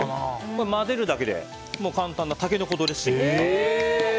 混ぜるだけで簡単なタケノコドレッシングに。